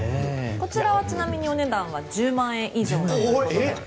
こちらはちなみにお値段は１０万円以上ということで。